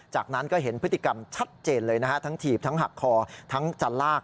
จากนั้นก็เห็นพฤติกรรมชัดเจนเลยนะฮะทั้งถีบทั้งหักคอทั้งจะลาก